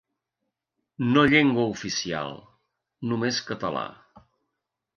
No llengua oficial, només català.